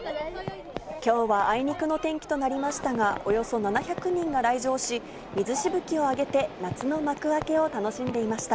きょうはあいにくの天気となりましたが、およそ７００人が来場し、水しぶきを上げて、夏の幕開けを楽しんでいました。